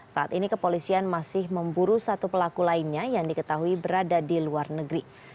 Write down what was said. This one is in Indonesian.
saat ini kepolisian masih memburu satu pelaku lainnya yang diketahui berada di luar negeri